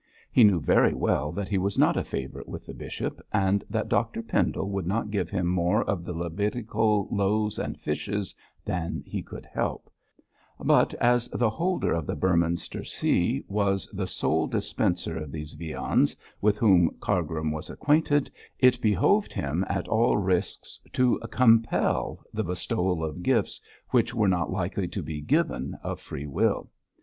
He knew very well that he was not a favourite with the bishop, and that Dr Pendle would not give him more of the Levitical loaves and fishes than he could help; but as the holder of the Beorminster See was the sole dispenser of these viands with whom Cargrim was acquainted, it behoved him at all risks to compel the bestowal of gifts which were not likely to be given of free will.